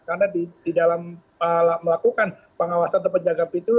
karena di dalam melakukan pengawasan atau penjaga pintu